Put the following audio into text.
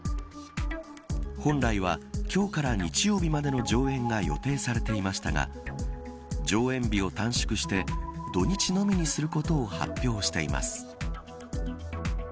本来は今日から日曜日までの上演が予定されていましたが上演日を短縮して土日のみにすることを発表しています。